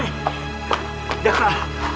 jangan ke atas